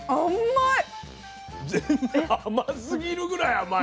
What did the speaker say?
甘すぎるぐらい甘い。